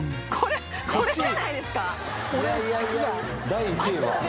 第１位は。